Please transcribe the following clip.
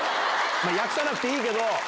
訳さなくていいけど。